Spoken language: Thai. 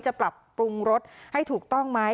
จะปรับปรุงรสให้ถูกต้องไหม